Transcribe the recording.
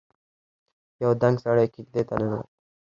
يو دنګ سړی کېږدۍ ته ننوت.